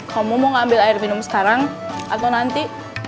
kamu mau ngambil air minum sekarang atau nanti